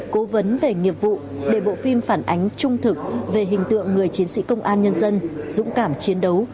cố vấn về nghiệp vụ để bộ phim phản ánh trung thực về hình tượng người chiến sĩ công an nhân dân dũng cảm chiến đấu